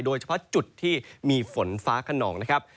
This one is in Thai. โดยเฉพาะจุดที่มีฝนฟ้าขนองนะครับ